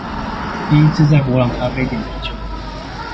第一次在伯朗咖啡點啤酒喝